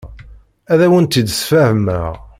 Ad awen-tt-id-sfehmeɣ.